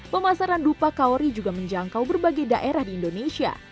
pemasaran dupa kaori juga menjangkau berbagai daerah di indonesia